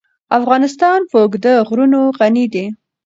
افغانستان په اوږده غرونه غني دی.